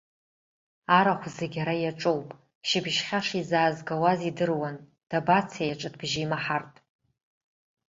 Арахә зегьы ара иаҿоуп, шьыбжьхьа шизаазгауаз идыруан, дабацеи аҿыҭбжьы имаҳартә?